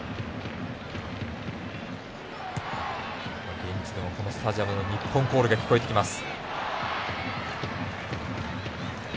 現地、スタジアムでの日本コールが聞こえてきます。